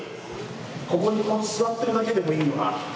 ここにこう座ってるだけでもいいわ。